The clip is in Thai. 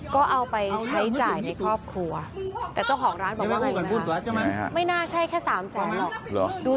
ก็เอาไปใช้จ่ายในครอบครัว